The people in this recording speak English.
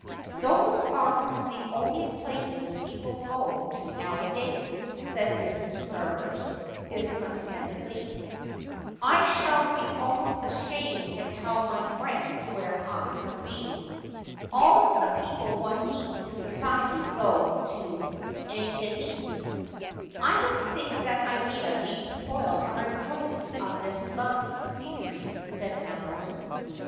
' Those are the only places people go to nowadays,' said Mrs. Ferrers discontentedly. 'I shall be almost ashamed to tell my friends where I have been. All the people one meets in society go to the Engadine.' ' I don't think that idea need spoil our enjoyment of this lovely scenery,' said Madoline.